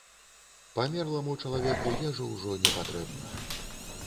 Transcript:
Памерламу чалавеку ежа ўжо не патрэбна.